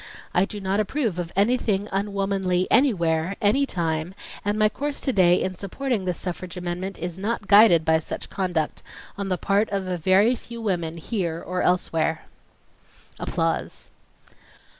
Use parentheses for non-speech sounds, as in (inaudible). I do not approve of anything unwomanly anywhere, any time, and my course to day in supporting this suffrage amendment is not guided by such conduct on the part of a very few women here or elsewhere." (applause)